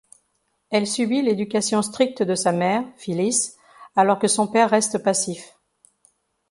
Elle subit l'éducation stricte de sa mère, Phyllis, alors que son père reste passif.